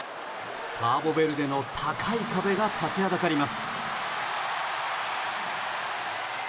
カーボベルデの高い壁が立ちはだかります。